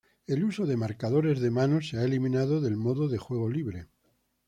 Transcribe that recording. El uso de marcadores de mano se ha eliminado del modo de juego libre.